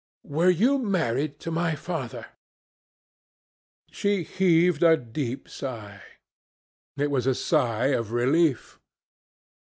Were you married to my father?" She heaved a deep sigh. It was a sigh of relief.